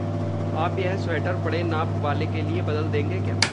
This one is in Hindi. आप यह स्वेटर बड़े नाप वाले के लिए बदल देंगे क्या?